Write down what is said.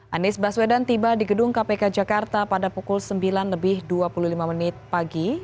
anies baswedan tiba di gedung kpk jakarta pada pukul sembilan lebih dua puluh lima menit pagi